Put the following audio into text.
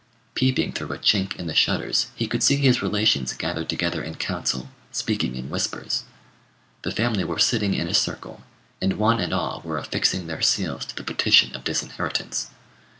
Peeping through a chink in the shutters, he could see his relations gathered together in council, speaking in whispers. The family were sitting in a circle, and one and all were affixing their seals to the petition of disinheritance.